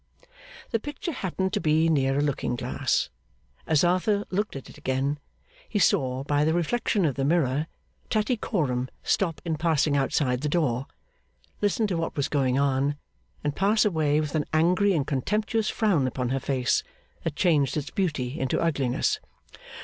The picture happened to be near a looking glass. As Arthur looked at it again, he saw, by the reflection of the mirror, Tattycoram stop in passing outside the door, listen to what was going on, and pass away with an angry and contemptuous frown upon her face, that changed its beauty into ugliness.